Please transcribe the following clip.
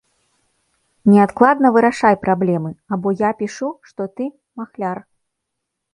Неадкладна вырашай праблемы або я пішу, што ты махляр.